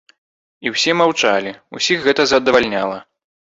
І ўсе маўчалі, усіх гэта задавальняла.